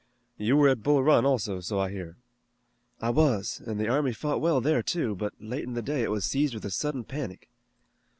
You were at Bull Run also, so I hear." "I was, and the army fought well there too, but late in the day it was seized with a sudden panic."